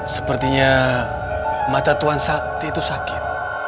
sepertinya mata tuhan sakti itu sakit